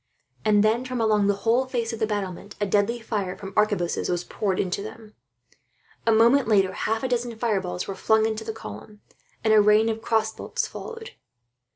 And then, from along the whole face of the battlements, deadly fire from arquebuses was poured into them. A moment later half a dozen fireballs were flung into the column, and a rain of crossbow bolts followed.